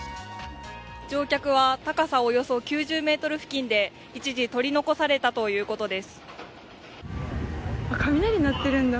乗客は高さおよそ９０ｍ付近で一時取り残されたということです。